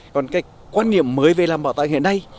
còn cái quan điểm mới về làm bảo tàng hiện nay